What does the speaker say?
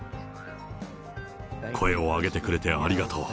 声を上げてくれてありがとう。